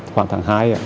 khoảng tháng hai